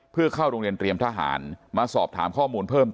เพื่อเข้าโรงเรียนเตรียมทหารมาสอบถามข้อมูลเพิ่ม